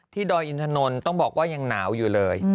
ดอยอินทนนท์ต้องบอกว่ายังหนาวอยู่เลย